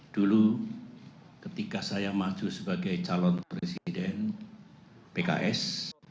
dulu ketika saya maju sebagai calon presiden pks